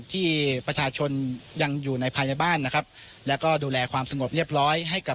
ที่ประชาชนยังอยู่ในภายในบ้านนะครับแล้วก็ดูแลความสงบเรียบร้อยให้กับ